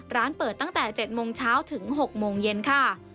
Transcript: ร้านเปิดตั้งแต่๗โมงเช้าถึง๖โมงเย็นค่ะ